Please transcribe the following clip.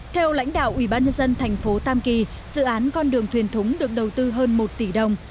theo lãnh đạo ủy ban nhân dân thành phố tam kỳ dự án con đường thiền thống được đầu tư hơn một tỷ đồng